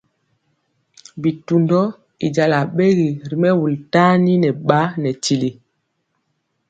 Bitundɔ i jala ɓegi ri mɛwul tani nɛ ɓa nɛ tili.